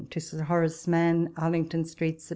To Sir Horac e Mann. Arlington Street, Sept.